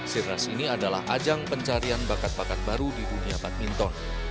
sirnas ini adalah ajang pencarian bakat bakat baru di dunia badminton